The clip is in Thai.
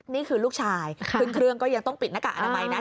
นี่คือลูกชายขึ้นเครื่องก็ยังต้องปิดหน้ากากอนามัยนะ